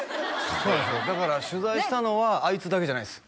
そうなんですよだから取材したのはあいつだけじゃないです